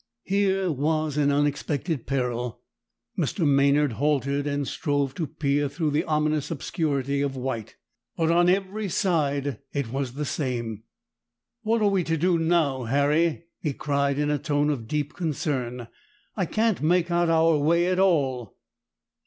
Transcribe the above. Here was an unexpected peril. Mr. Maynard halted and strove to peer through the ominous obscurity of white, but on every side it was the same. "What are we to do now, Harry?" he cried in a tone of deep concern. "I can't make out our way at all."